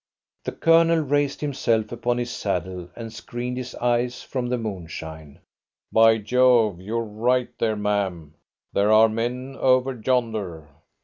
The Colonel raised himself upon his saddle, and screened his eyes from the moonshine. "By Jove, you're right there, ma'am. There are men over yonder."